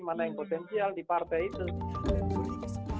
mana yang potensial di partai itu